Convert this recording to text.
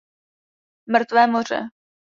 Mrtvé moře.